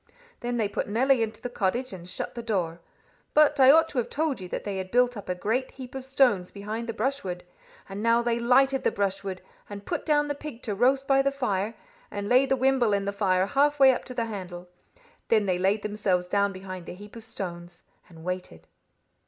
Then they put Nelly into the cottage, and shut the door. But I ought to have told you that they had built up a great heap of stones behind the brushwood, and now they lighted the brushwood, and put down the pig to roast by the fire, and laid the wimble in the fire halfway up to the handle. Then they laid themselves down behind the heap of stones and waited.